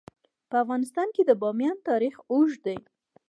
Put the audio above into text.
په افغانستان کې د بامیان تاریخ اوږد دی.